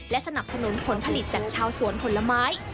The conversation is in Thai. สนับสนุนผลผลิตจากชาวสวนผลไม้